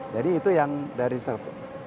jadi itu yang dari serve